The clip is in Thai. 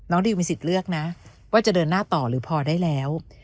ดิวมีสิทธิ์เลือกนะว่าจะเดินหน้าต่อหรือพอได้แล้ว